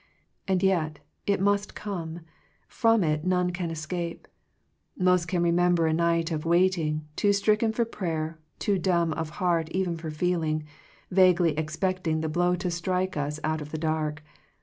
And yet, it must come; from it none can escape. Most can remember a night of waiting, too stricken for prayer, too numb of heart even for feeling, vaguely expecting the blow to strike us out of the dark.